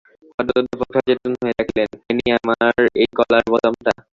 হঠাৎ অধ্যাপক সচেতন হইয়া ডাকিলেন, ফেনি, আমার সেই গলার বোতামটা?